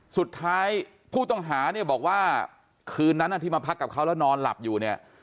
สุดท้ายผู้ต้องหาเนี่ยบอกว่าคืนนั้นที่มาพักกับเขาแล้วนอนหลับอยู่เนี่ย